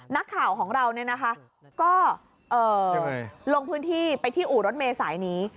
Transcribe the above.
นักข่าวของเราเนี่ยนะคะก็ลงพื้นที่ไปที่อู่รถเมล์สายนี้